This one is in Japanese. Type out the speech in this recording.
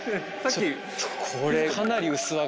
これ。